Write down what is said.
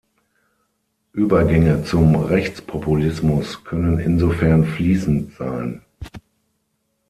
Übergänge zum Rechtspopulismus können insofern fließend sein.